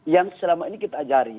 yang selama ini kita ajari